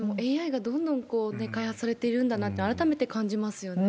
ＡＩがどんどん開発されているんだなって、改めて感じますよね。